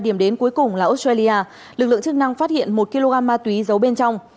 điểm đến cuối cùng là australia lực lượng chức năng phát hiện một kg ma túy giấu bên trong